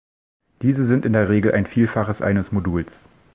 Diese sind in der Regel ein Vielfaches eines Moduls.